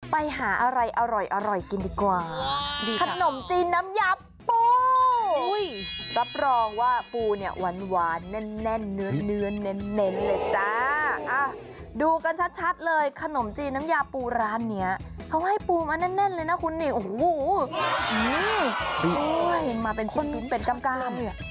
ไปหาอะไรอร่อยกินดีกว่า